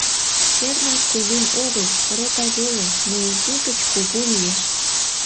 Кернак, кугун огыл, рота веле, но изи гыч кугу лиеш.